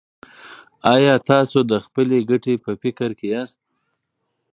ایا تاسو د خپلې ګټې په فکر کې یاست.